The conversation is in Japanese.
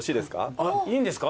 あっいいんですか？